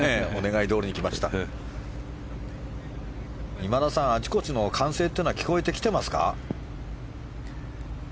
今田さん、あちこちの歓声は聞こえてきてますか？